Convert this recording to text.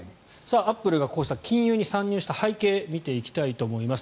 アップルがこうした金融に参入した背景を見ていきたいと思います。